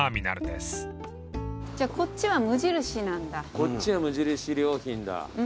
こっちは無印良品だ。